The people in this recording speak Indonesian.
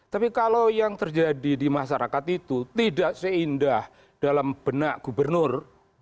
tapi kalau yang terjadi di masyarakat itu tidak seindah dalam benak gubernur